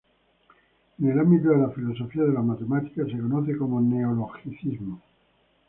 En el ámbito de la filosofía de la matemática se conoce como neo-logicismo.